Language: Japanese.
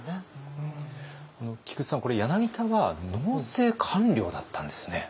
菊地さん柳田は農政官僚だったんですね。